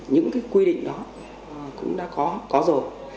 những cái quy định đó cũng đã có có rồi